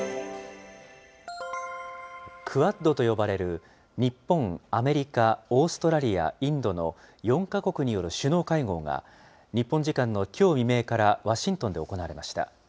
クアッドと呼ばれる日本、アメリカ、オーストラリア、インドの４か国による首脳会合が、日本時間のきょう未明からワシントンで行われました。